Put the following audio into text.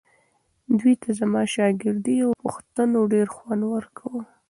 دوی ته زما شاګردۍ او پوښتنو ډېر خوند ورکاوو.